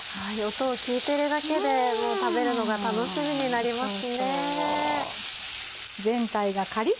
音を聞いてるだけで食べるのが楽しみになりますね。